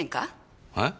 えっ？